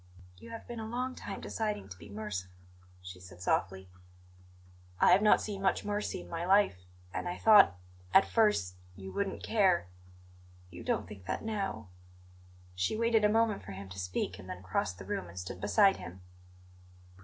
"You have been a long time deciding to be merciful," she said softly. "I have not seen much mercy in my life; and I thought at first you wouldn't care " "You don't think that now." She waited a moment for him to speak and then crossed the room and stood beside him.